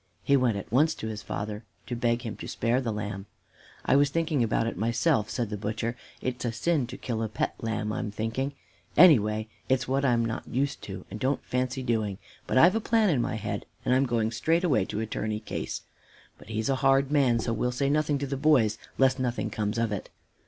He went at once to his father to beg him to spare the lamb. "I was thinking about it myself," said the butcher. "It's a sin to kill a pet lamb, I'm thinking. Anyway, it's what I'm not used to, and don't fancy doing. But I've a plan in my head and I'm going straightway to Attorney Case. But he's a hard man, so we'll say nothing to the boys, lest nothing comes of it.